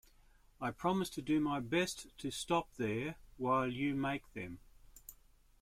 I promise to do my best to stop there while you make them.